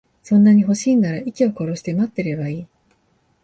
そんなに欲しいんなら、息を殺して待ってればいい。